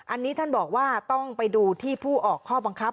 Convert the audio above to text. อันนี้ท่านบอกว่าต้องไปดูที่ผู้ออกข้อบังคับ